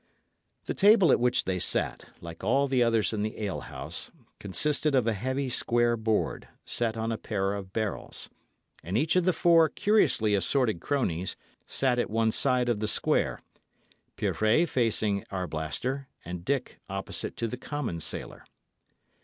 The table at which they sat, like all the others in the alehouse, consisted of a heavy, square board, set on a pair of barrels; and each of the four curiously assorted cronies sat at one side of the square, Pirret facing Arblaster, and Dick opposite to the common sailor.